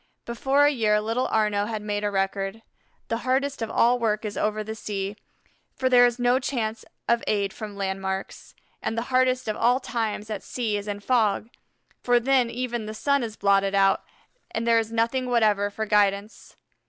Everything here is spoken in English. Before a year little Arnaux had made a record. The hardest of all work is over the sea, for there is no chance of aid from landmarks; and the hardest of all times at sea is in fog, for then even the sun is blotted out and there is nothing whatever for guidance.